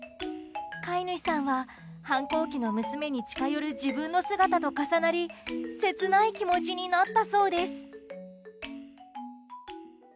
飼い主さんは反抗期の娘に近寄る自分の姿と重なり切ない気持ちになったそうです。